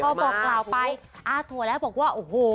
แต่พอบอกกล่าวไปอ้าวโทรแล้วบอกว่าโอ้โห